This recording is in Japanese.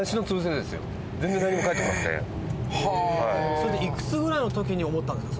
それっていくつぐらいの時に思ったんですか？